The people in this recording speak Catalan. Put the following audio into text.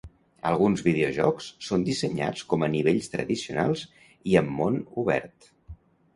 Alguns videojocs són dissenyats com a nivells tradicionals i amb món obert.